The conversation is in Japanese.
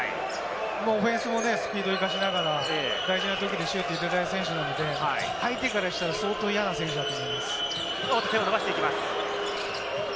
オフェンスもスピードを生かしながら、大事なときにシュートを打てる選手なので、相手からしたら相当嫌な選手です。